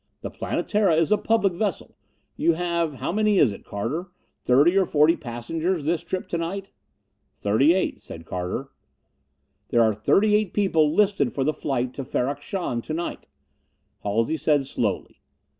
The Planetara is a public vessel. You have how many is it, Carter? thirty or forty passengers this trip to night?" "Thirty eight," said Carter. "There are thirty eight people listed for the flight to Ferrok Shahn to night," Halsey said slowly.